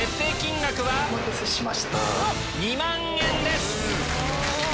２万円です！